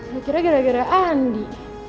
kira kira gara gara andi